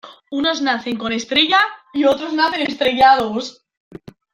Unos nacen con estrella y otros nacen estrellados.